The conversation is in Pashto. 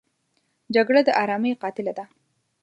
جګړه د آرامۍ قاتله ده